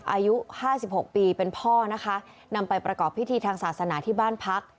อายุห้าสิบหกปีเป็นพ่อนะคะนำไปประกอบพิธีทางศาสนาที่บ้านพัก